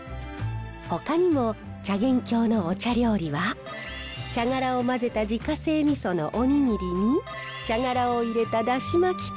ほかにも茶源郷のお茶料理は茶殻を混ぜた自家製味噌のおにぎりに茶殻を入れただし巻き卵。